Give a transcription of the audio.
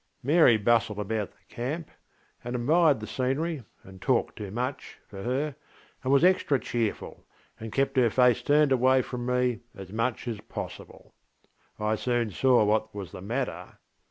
Mary bustled about the camp and admired the scenery and talked too much, for her, and was extra cheerful, and kept her face turned from me as much as possible. I soon saw what was the matter.